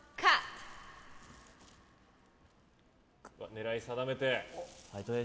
狙い定めて。